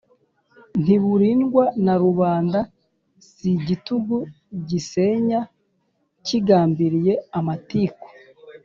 Ntiburindwa ba Rubanda, Si igitugu gisenya, kigambiriye amatiku